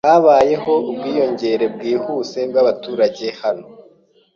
Habayeho ubwiyongere bwihuse bwabaturage hano.